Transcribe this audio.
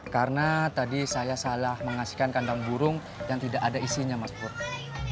karena tadi saya salah mengasihkan kandang burung yang tidak ada isinya mas purnomo